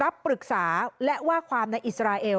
ปรึกษาและว่าความในอิสราเอล